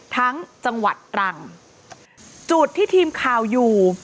จังหวัดตรังจุดที่ทีมข่าวอยู่